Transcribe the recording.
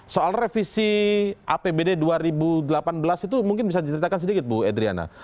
soal revisi apbd dua ribu delapan belas itu mungkin bisa diceritakan sedikit bu edriana